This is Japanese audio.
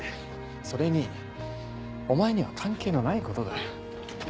それにお前には関係のないことだ。